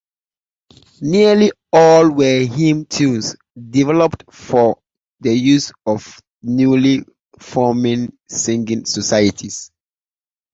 Nearly all were hymn tunes, developed for the use of the newly-forming singing societies.